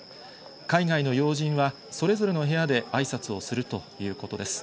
海外の要人は、それぞれの部屋であいさつをするということです。